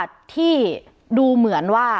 สนุนโดยทีโพพิเศษถูกอนามัยสะอาดใสไร้คราบ